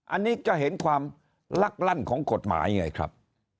อันนี้จะเห็นความลักลั่นของกฎหมายไงครับ